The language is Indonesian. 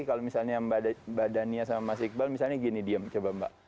kalau misalnya mbak dania sama mas iqbal misalnya gini diam coba mbak